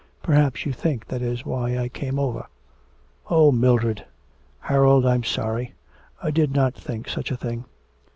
Perhaps you think that is why I came over. Oh, Mildred!' 'Harold, I'm sorry. I did not think such a thing.